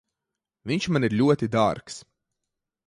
Viņš man ir ļoti dārgs.